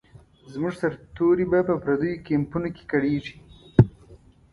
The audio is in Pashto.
زموږ سرتوري به په پردیو کمپونو کې کړیږي.